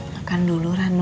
makan dulu ranu